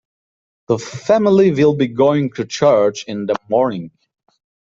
The family will be going to church in the morning.